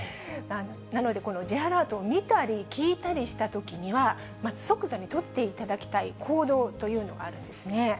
なので、このＪアラートを見たり聞いたりしたときには、即座に取っていただきたい行動というのがあるんですよね。